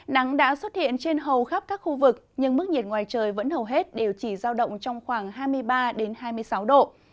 nắng đã xuất hiện trên hầu khắp các khu vực nhưng mức nhiệt ngoài trời vẫn hầu hết đều chỉ giao động trong khoảng hai mươi ba hai mươi sáu độ